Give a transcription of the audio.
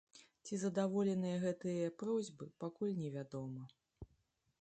Ці задаволеныя гэтыя просьбы, пакуль невядома.